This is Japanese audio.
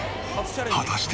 果たして。